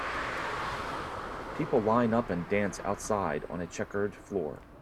People line up and dance outside on a checkered floor.